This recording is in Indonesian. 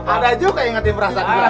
ada juga yang ngete berasa gua